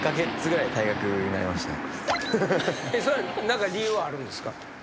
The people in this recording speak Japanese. それは何か理由はあるんですか？